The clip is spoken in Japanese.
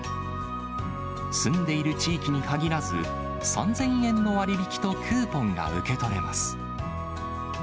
住んでいる地域に限らず、３０００円の割引とクーポンが受け取れます。